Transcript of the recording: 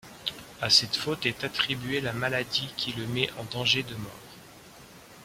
À cette faute est attribuée la maladie qui le met en danger de mort.